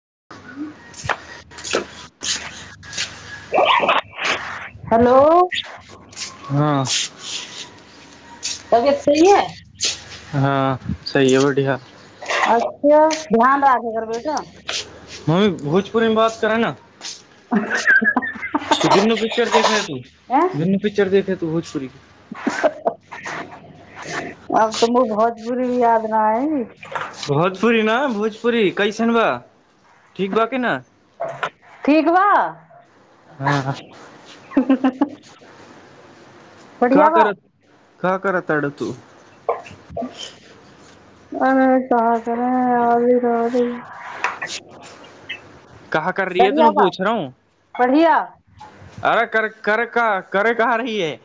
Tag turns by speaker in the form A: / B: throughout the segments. A: [inaudible] [inaudible]
B: Hello
A: [inaudible]
B: तबियत
A: तबियत
B: सही
A: ठीक
B: है
A: ऐ हँ सही है बढ़िआ
B: अँ ध्यान राखेगर बेैटो
A: मीमी भोजपुरीमे बात करे ह न
B: हँ ह ह ह
A: त दुनू पिक्चर देखेै तू
B: हैं
A: दुनू पिक्चर देखे तू त भोज
B: आब तऽ मो भोजपुरी भी याद न आइ
A: भोजपुरी ने भोज पुरी कैसनवा
B: ठीक वा
A: हँ का
B: बढ़िआ बा
A: करत का करतारु तू
B: अरे का करे रली रली
A: [inaudible] कर रही है
B: बढ़िआ
A: तू
B: बा
A: पूछ रहा हूँ
B: बढ़िआ
A: अरे कर कर का करे कहा रही है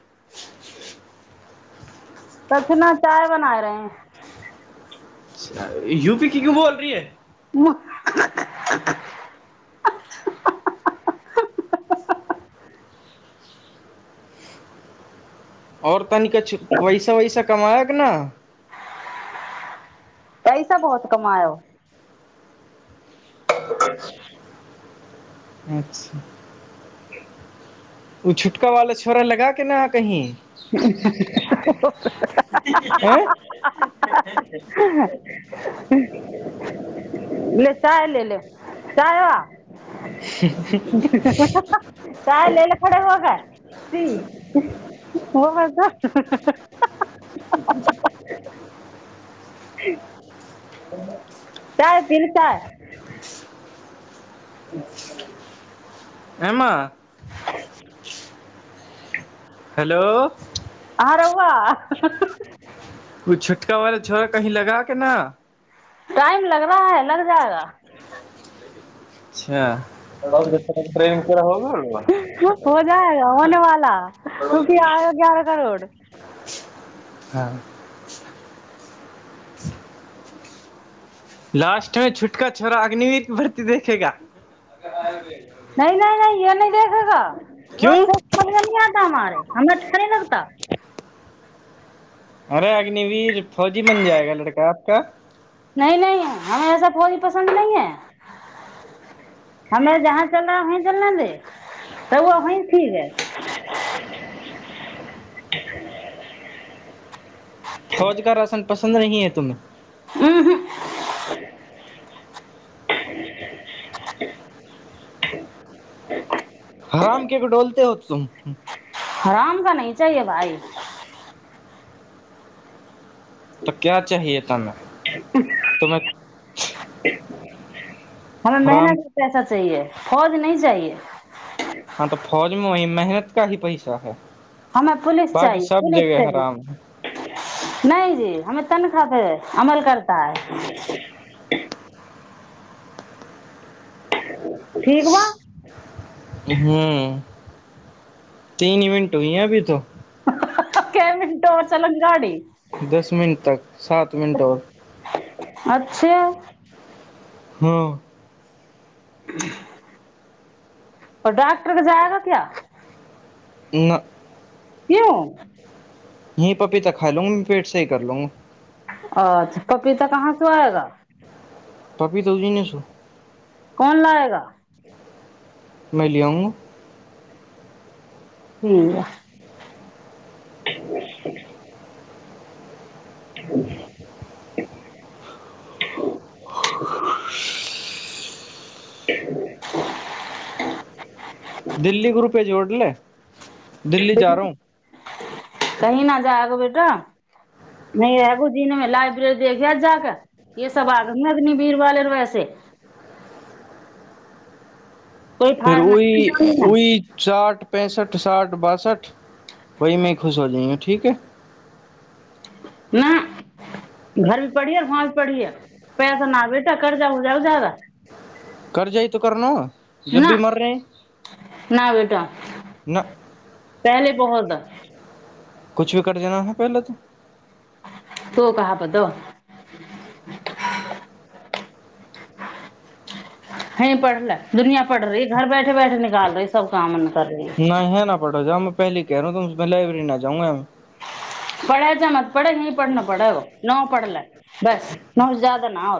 B: कछुना चाय बना रहेैं
A: यूपी की क्यो बोल रही है
B: [unintelligible]
A: और पता न क वैसा वैसा कमााय अगना
B: पैसा बहुत कमायो [inaudible]
A: अच्छा ओ छुटका वाला छोरा लगा के ना कहीं
B: हँ हँ हा
A: ऐं
B: हा ह ह ले चाय ले ले चाह आ ह ह ह चाय ले ले खड़े होके ओ ह ह ह चाय पी चाय
A: [unintelligible] [unintelligible] ए मां
B: ह
A: हेलो
B: आ रौआ हह ह
A: ओ छुटका वाला छोरा कही लगा के न
B: टाइम लग रहा है लग जाएगा हो जाएगा होने वाला रुपया आएगा ग्यारह करोड़
A: अच्छा हँ लास्टमे छुटका छोरा अग्निवीर बढ़ती देखेगा
B: नहि नहि नहि य नहि देख लेा
A: क्यों
B: अच्छा सम न आता हमारे हमरा अच्छा नहि लगता
A: अरे अग्निवीर फौजी बन जाएगा लड़का क्या
B: नहि नहि हम ऐसा फौजी पसन्द नहीं है हमे जहाँ चलना है वही चलना दे त वही
A: [inaudible]
B: ठीक
A: फौज का राशन प पन्द नहि है तुम में
B: म्म हमम [unintelligible]
A: हराम केक डोलते होत श
B: हराम का नही चाहिए भाई
A: तऽ क्या चाहिए तमे तो मै
B: ह हमे मेहनत पैसा चाहिए। फोज नहि चाहिए
A: हँ तऽ फौजमेइ मेहनत सका ही पैसा है
B: हमे पुलिस
A: बाकी
B: चाही
A: सब
B: पुलिस
A: जगह
B: चाही
A: हराम है
B: नहि। जी हमे तनखाह पे अमल करता है ठीक बा
A: ह्म तीन इवेंट होई ह अभी तो
B: हाहा के मिनट ओर चल गादी
A: दस मिनट तक सात मिनट और
B: अच्छा
A: हँ
B: ओ डॉक्टर जायगा क्या
A: ना
B: क्यू
A: हीं पपीता खा लूंग फिर से कर लूंग
B: अच्छा पपीता कहाँ से आएगा
A: पप्पी तौजी ने छौ
B: कौन लायेगा
A: मै ले आउंगा
B: ठीक [inaudible] [unintelligible]
A: दिल्ली ग्रुपे जोड़ले
B: कही न जाग बेटी नहि रहगो दिनमे लाइब्रेरी देख जााकऽ ये सब आदम अगनि भीरवाले वैसे कोई
A: फेर
B: फार
A: ओहि
B: नहीं ना
A: ओहि चाट पैंसठि साठि बासठि ओहिमें खुश हो जाइ ठीक ह
B: न घर भी पढ़िए वाँ भी पढ़िै पैसा न बेटा कर्जा उजा जदा
A: करजइ त करनो
B: न नहि बेटा
A: ना
B: पहले बोहल द
A: किछु भी कर देना है पहिले तऽ
B: तो कह ब त हे पढ़ले दुनिया पड़ रही घर बैठे बैठे निकाल रही सब काम कर री
A: रजामे पहले कहहि रह ह तुसमे लाइब्रेरी नहि जाउगा मै
B: पढ़ै जा मत पढ़ै यीं पढ़ना पड़ै नओ पढ़ल बस नओ जादा नओ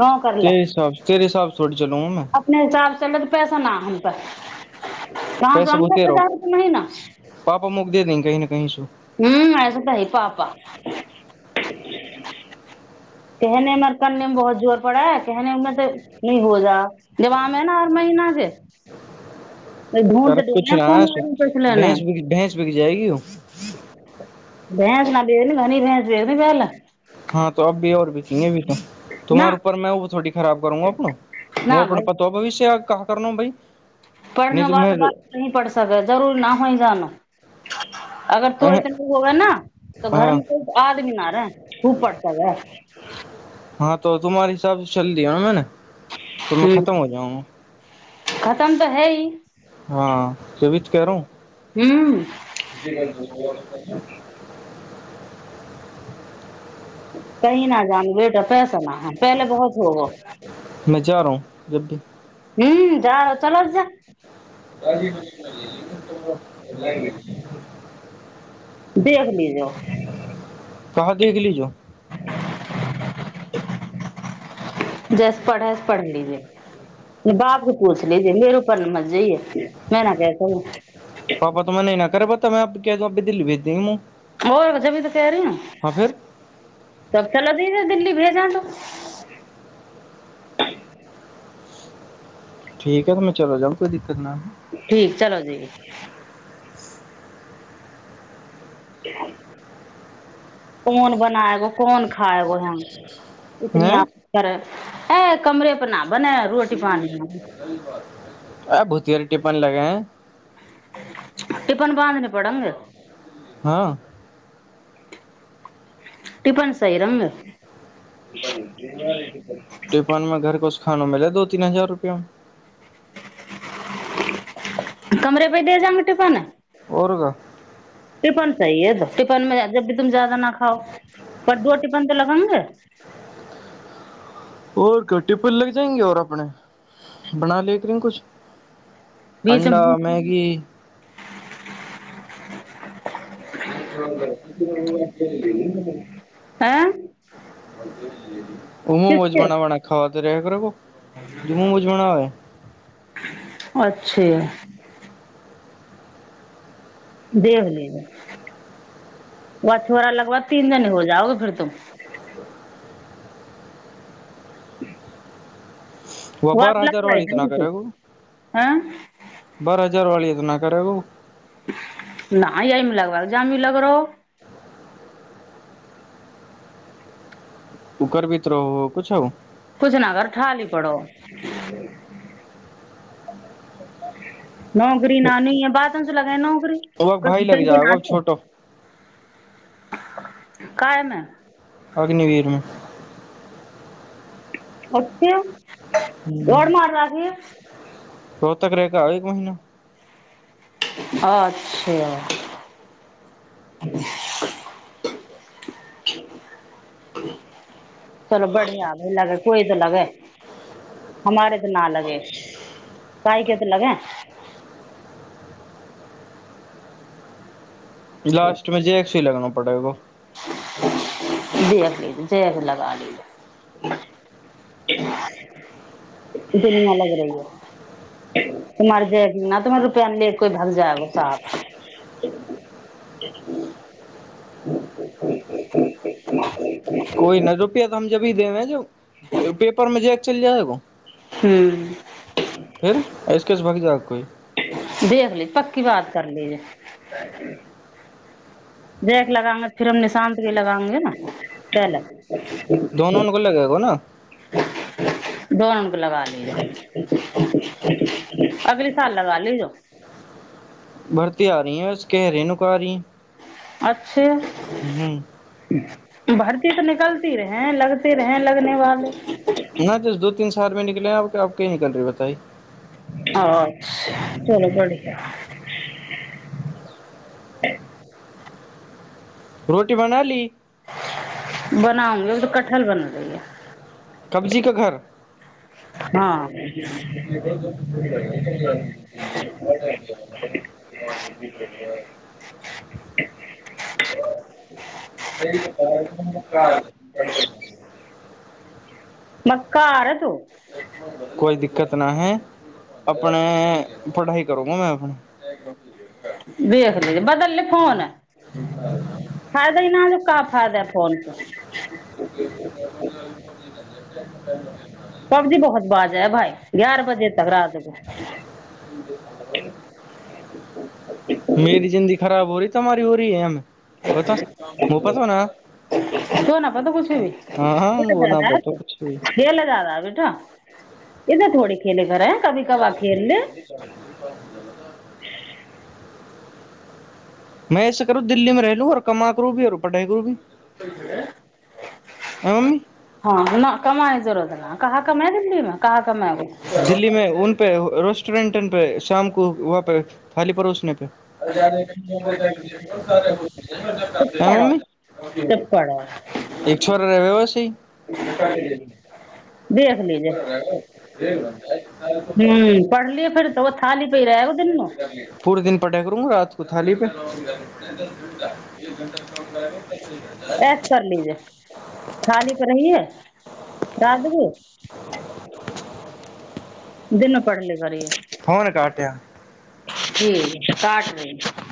B: काम कर ले
A: तेरे हिसाब से तेरे हिसाब से थोड़ी चलूंगा मैं
B: अपने हिसाब चल त पैसा न हम त
A: पैसे बहुते रहो
B: रुपये महीना
A: पापा मुख दे दंग कही ने कहि सू
B: हूँ असत हइ पाापा तने हमर करने में बहुत जोर पड़ा है। कहनेमें तऽ नी हो जा जबाम है। न हर महीना के ढूंढ
A: कर
B: तो
A: कुछ
B: ढूंढे
A: रह
B: कौन आदमी पैसे लेने
A: भैंस
B: हैं
A: भैंस भिक जाएगी ओ
B: दे गी
A: हँ त अब भी आओर भी इ भी तुम्हहारे
B: ना
A: ऊपर मैं थोड़ी खराब करूंगा अपो वो अपना पतो भविष्य आ कह करना भई
B: पढ़न वाल बाद न पढ़कै जरूरी नहि होइ जान अगर तो
A: अह,
B: ऐसे न होगे न तऽ घर
A: हाँ
B: मे कोइ आदमी न रहे ओ पढ़ स गै
A: हाँ तो तुम्हारहिसाब से चलियान
B: ह खतम त है ह
A: हँ तभी तो कह रहा हूं
B: ह्म कही न जानू बेटा पैसा न है। पहले बहुत होगो
A: ज
B: हु जा चला जा देख लीजो
A: कहाँ देख लीजो
B: जस पढ़ैस पढ़ लीेबै बाप के पुछ लिजिये मेरे ऊपर मत जैये, मै न
A: तब मै अपको केह रहा देल्ही भेज दिये
B: आर जभी त कह रही ने तब चलऽ दी दिल्ली भेजा नु
A: ठीक ह तमै चलो जाउ कोई दिकत नह
B: ठीक चला जाएय [unintelligible] कोन बनायगो कोन खाए वोह हम इतनी आ
A: हैं
B: कर अए कमरे पर नाम
A: आ भुतियरी टिप्पन लगे है
B: टिपन बाँ दने
A: हँ
B: टिफन सइ रन्ह
A: टिपान मे घर को खानो मिलै दो तीन हजार रुपयया
B: कमरे पे दे जांग टिफन
A: औरगर
B: टिपन सहि है तो टिफन मे जब की तुम जादा न खाओ पर दो टिफन त लगेंगे
A: तो टिपल लग जाएंगे और अपने बना लेते हैं कुछ
B: बीच
A: अण्डा
B: में
A: मैगी
B: [unintelligible] ऐं
A: ओहों मौमौज
B: किसके
A: बना बना खाबत त करब जुमू बुझबना होै
B: छै देख लेबै व छोरा लगबा तीन दिन हो जाओग फेर तू ह
A: व बारह हजार वाली इतना करेग
B: हैं
A: बारह हजार वाली इतना करब
B: नहि यमे लगब जामी लग रहो
A: ककर भित्रो किूछ
B: कुछ न कर ठी पड़ो [inaudible] नौकरी न न य बाद च लग नौकरी
A: वह
B: को
A: भाई
B: द
A: लग
B: न
A: जाएगा अब
B: दे
A: छोटो
B: कायमे
A: अग्निवीरमे
B: ओ दोडमाराारी
A: ओ त कर रे क आबै कहि न
B: अच्छा चलो बढ़िया भै लगे कोई तऽ लगे हमारे तऽ न लगे कइ के तऽ लगे
A: लास्टमे जे एक सए लगना बेगो
B: जी जयझूली दुनिया लग रहहि ह तुमरे जैकमे न तुम्ह रुपआ ले कोई भग जाएगो साफ ह
A: कोइ न रोपिया त जबी देना है जो पेपरमे जे चल जाएगा
B: हम्म
A: फेर एहिऐसके भि जा कोइ
B: देखख ली पकी बात कर ले जे देख लगांगे फिर हम निशान्त के लगांगे न
A: दोनों को लगेगा ना
B: पोन अग लगा ली अगल साल लगा ली जो
A: भर्ती आ री है बस कहि रहे नकी
B: अच्छा ई भर्ती तऽ निकलती रहेैं लगते रहेै लग धन्यवाद
A: नै दी दू तीन सौ शहर मे निकलेै आब अब की निकल रहै बताइ
B: अ अ चलू बढ़ि [inaudible]
A: रोटी बना ली
B: बनाऊँगी कठहल बन रहयें
A: कब्जीके घर
B: हँ [unintelligible]
A: [inaudible]
B: मक्का आ रहा तू
A: कोई दिक्कत न है अपने पढ़ाई करबा अपने
B: एक देख लहि बदलले फोन फायदा ही न
A: [unintelligible]
B: पबजी बहुत बाजे है भाई ग्यारह बजे तक रात मे
A: मेरी जिन्दगी खराब हो रइ तऽार हो रही है हम बता मु
B: धो ना पटो किछ ही
A: हँ हँ ओ नहि पता कछ भ
B: तऽ थोेने घर
A: [inaudible] मैं ऐसा करू दिल्ली में रह लू और कमा करू भी और पढ़ाई करू भी ह मम्मी
B: हँ न कमाई जुड़त ह कहा कमाई दिल्ली मे कहाँ कमा ब
A: स्टोरेट पे शाम को वहाँ पे फाली पड़ोसने
B: चुप
A: हाँ
B: करो
A: मम्मी
B: चुप करो
A: छोर रहै वैसी [unintelligible]
B: देख लीजिए हूँ पढ़लिए फेर तो खाली पै रहग दूनु [unintelligible]
A: आज के थाली पे
B: ऐश कर
A: [inaudible]
B: लीजिए थाली पर रहीये दादीगे देन
A: फोन काटया
B: जी पाँच मिनट [unintelligible]